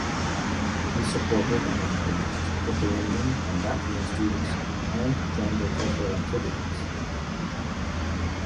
He supported and encouraged Lithuanian and Latvian students and joined their cultural activities.